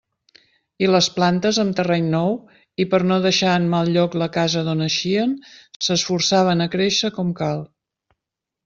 I les plantes, amb terreny nou, i per no deixar en mal lloc la casa d'on eixien, s'esforçaven a créixer com cal.